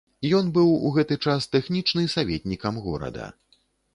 Ён быў ў гэты час тэхнічны саветнікам горада.